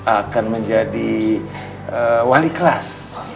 akan menjadi wali kelas